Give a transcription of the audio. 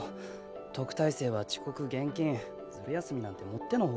特待生は遅刻厳禁ずる休みなんてもっての外なんだから。